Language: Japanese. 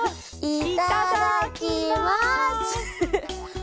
いただきます。